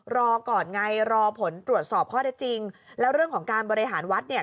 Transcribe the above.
รอก่อนไงรอผลตรวจสอบข้อได้จริงแล้วเรื่องของการบริหารวัดเนี่ย